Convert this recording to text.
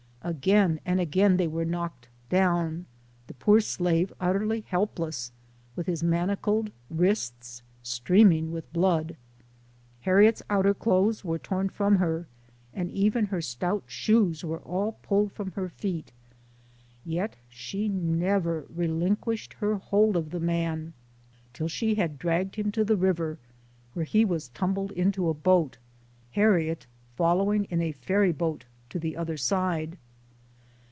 Again and again they were knocked down, the poor slave utterly help less, with his manacled wrists streaming with blood. LLFE OF HARRIET TUBMAX. 91 Harriet's outer clothes were torn from her, and even her stout shoes were all pulled from her feet, yet she never relinquished her hold of the man, till she had dragged him to the river, where he was tumbled into a boat, Harriet fo' lowing in a ferry boat to the other side.